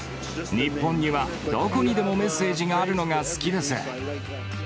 日本にはどこにでもメッセージがあるのが好きです。